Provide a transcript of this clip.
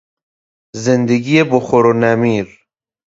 زندگی بخور و نمیر